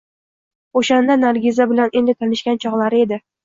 O`shanda Nargiza bilan endi tanishgan chog`lari edi